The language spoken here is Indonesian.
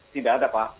tidak ada pak